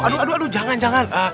aduh aduh jangan jangan